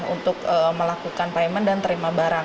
untuk melakukan payment dan terima barang